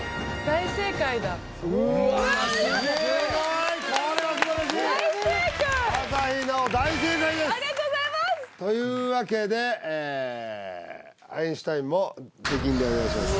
大正解ですありがとうございます！というわけでえっアインシュタインも出禁でお願いします